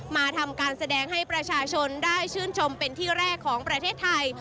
มาทำการแสดงให้ประชาชนได้ชื่นชมเป็นที่แรกของประเทศไทย